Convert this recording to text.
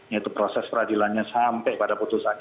yaitu proses peradilannya sampai pada putusannya